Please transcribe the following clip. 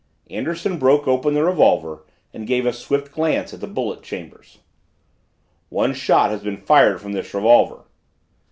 Anderson broke open the revolver and gave a swift glance at the bullet chambers. "One shot has been fired from this revolver!"